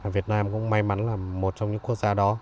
việt nam cũng may mắn là một trong những quốc gia đó